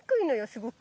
すごく。